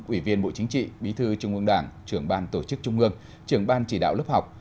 ủy viên bộ chính trị bí thư trung ương đảng trưởng ban tổ chức trung ương trưởng ban chỉ đạo lớp học